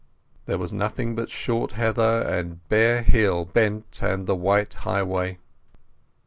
There was nothing but short heather, and bare hill bent, and the white highway.